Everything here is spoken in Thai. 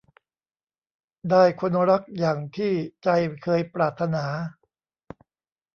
ได้คนรักอย่างที่ใจเคยปรารถนา